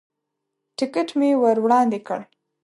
ټکټ مې ور وړاندې کړ.